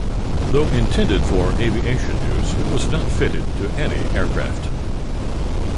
Though intended for aviation use, it was not fitted to any aircraft.